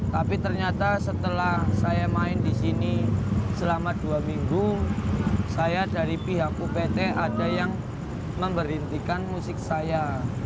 tapi ternyata setelah saya main di sini selama dua minggu saya dari pihak upt ada yang memberhentikan musik saya